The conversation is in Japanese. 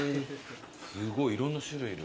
すごいいろんな種類いる。